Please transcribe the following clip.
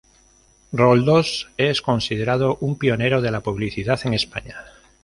Roldós es considerado un pionero de la publicidad en España.